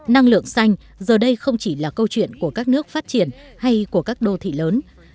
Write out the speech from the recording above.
năng lượng xanh giờ đây không chỉ là câu chuyện của các nước phát triển hay của các đô thị lớn